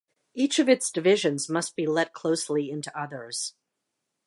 Each of its divisions must be let closely into others.